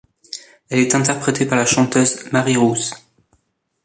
Elle est interprétée par la chanteuse Mary Roos.